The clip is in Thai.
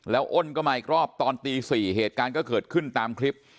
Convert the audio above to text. แล้วอ้นก็มาอีกรอบตอนตี๔เหตุการณ์ก็เกิดขึ้นตามคลิป